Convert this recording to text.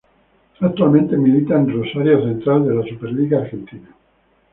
Actualmente milita en Rosario Central de la Superliga Argentina.